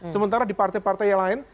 sementara di partai partai yang lain